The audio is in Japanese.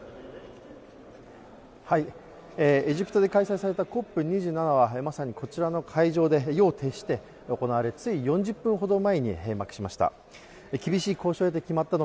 エジプトで開催されたＣＯＰ２７はまさにこちらの会場で夜を徹して行われつい４０分前に閉幕しました。